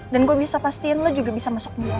dan gue bisa pastiin lo juga bisa masuk melola